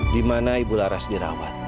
di mana ibu laras dirawat